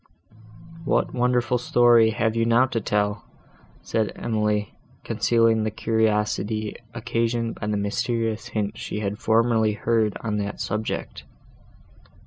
"What wonderful story have you now to tell?" said Emily, concealing the curiosity, occasioned by the mysterious hints she had formerly heard on that subject.